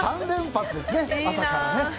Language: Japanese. ３連発ですね、朝からね。